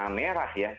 di zona merah ya